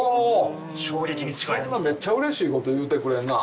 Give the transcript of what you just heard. そんなめっちゃうれしいこと言うてくれんな